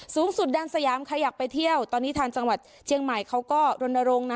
สุดแดนสยามใครอยากไปเที่ยวตอนนี้ทางจังหวัดเชียงใหม่เขาก็รณรงค์นะ